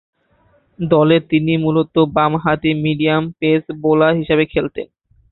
দলে তিনি মূলতঃ বামহাতি মিডিয়াম পেস বোলার হিসেবে খেলতেন।